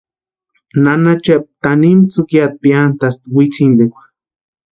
Nana Chepa tanimu tsïkiata piantʼasti wintsintikwa.